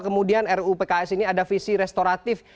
kemudian ruu pks ini ada visi restoratif